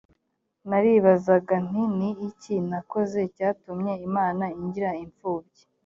naribazaga nti ni iki nakoze cyatumye imana ingira imfubyi